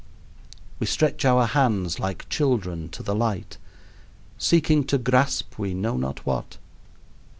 We stretch our hands like children to the light, seeking to grasp we know not what.